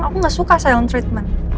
aku gak suka sayang treatment